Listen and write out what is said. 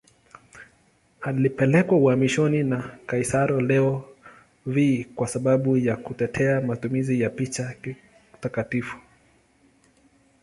Alipelekwa uhamishoni na kaisari Leo V kwa sababu ya kutetea matumizi ya picha takatifu.